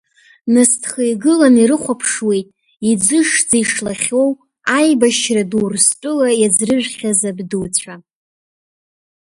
Насҭха игылан ирыхәаԥшуеит, иӡышӡа ишлахьоу, аибашьра ду Урыстәыла иаӡрыжәхьаз абдуцәа.